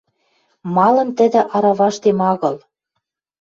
Малын тӹдӹ араваштем агыл?